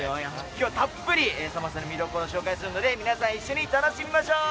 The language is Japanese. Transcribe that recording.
今日はたっぷりサマステの見どころを紹介するので皆さん一緒に楽しみましょう！